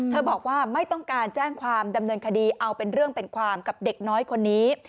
บอกว่าไม่ต้องการแจ้งความดำเนินคดีเอาเป็นเรื่องเป็นความกับเด็กน้อยคนนี้